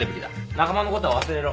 仲間のことは忘れろ。